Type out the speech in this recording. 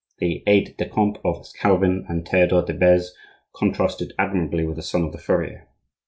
The aide de camp of Calvin and Theodore de Beze contrasted admirably with the son of the furrier.